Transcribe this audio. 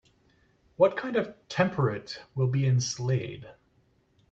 What kind of temperate will be in Slade?